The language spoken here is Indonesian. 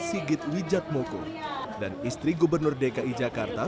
sigit wijatmoko dan istri gubernur dki jakarta